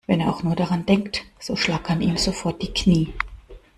Wenn er auch nur daran denkt, so schlackern ihm sofort die Knie.